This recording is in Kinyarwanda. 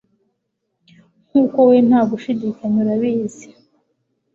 Nkuko wowe nta gushidikanya urabizi